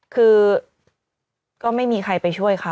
คือก็ไม่มีใครไปช่วยเขา